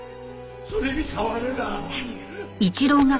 それに触るな！